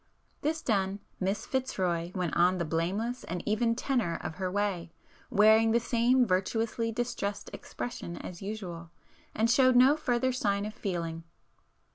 This done, Miss Fitzroy went on the blameless and even tenor of her way, wearing the same virtuously distressed expression as usual, and showed no further sign of feeling.